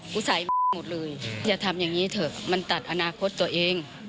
ผู้ชายหมดเลยอย่าทำอย่างนี้เถอะมันตัดอนาคตตัวเอง